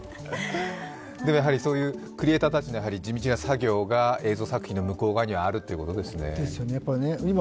クリエーターたちの地道な作業が映像作品の向こう側にはあるということですね。